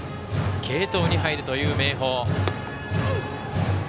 継投に入るという明豊。